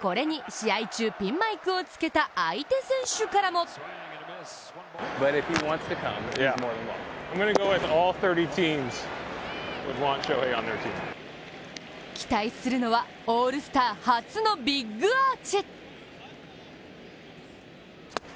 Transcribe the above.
これに試合中、ピンマイクをつけた相手選手からも期待するのは、オールスター初のビッグアーチ。